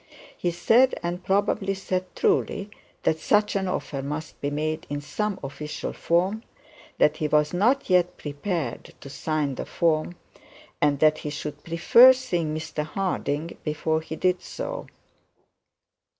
He said, and probably said truly, that such an offer must be made in some official form; that he was not yet prepared to sign the form; and that he should prefer seeing Mr Harding before he did so.